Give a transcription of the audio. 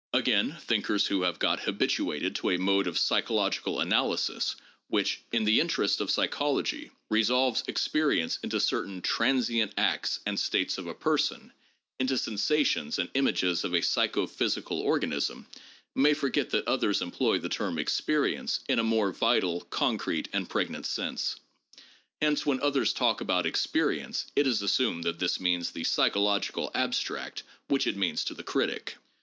Again, thinkers who have got habituated to a mode of psychological analysis, which, in the interests of psychology, resolves experience into certain transient acts and states of a person, into sensations and images of a psycho physical organism, may forget that others employ the term experience in a more vital, concrete, and pregnant sense. Hence, when others talk about experience, it is assumed that this means the psychological abstract which it means to the critic.